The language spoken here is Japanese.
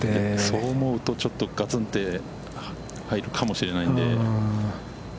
そう思うと、ちょっとがつんって入るかもしれないんで。